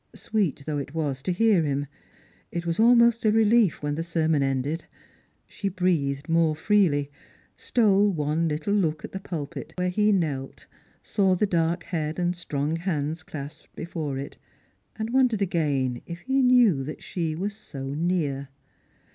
Sweet though it was to hear him, it was almost a relief when the sermon ended. She breathed more freely, stole one little look at the pulpit where he knelt, saw the dark head and strong hands clasped before it, and wondered again if he knew that she was 80 near.